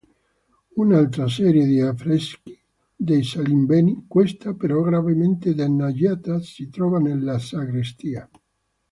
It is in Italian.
Un'altra serie di affreschi dei Salimbeni, questa però gravemente danneggiata, si trova nella sagrestia.